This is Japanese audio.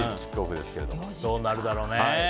どうなるだろうね。